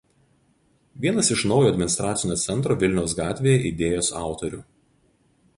Vienas iš naujo administracinio centro Vilniaus g. idėjos autorių.